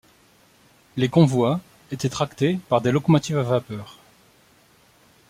Les convois étaient tractés par des locomotives à vapeur.